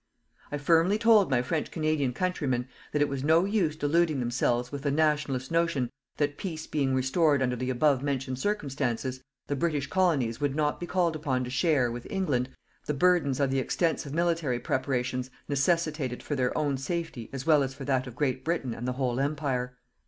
I firmly told my French Canadian countrymen that it was no use deluding themselves with the "Nationalist" notion that peace being restored under the above mentioned circumstances, the British Colonies would not be called upon to share, with England, the burdens of the extensive military preparations necessitated for their own safety as well as for that of Great Britain and the whole Empire.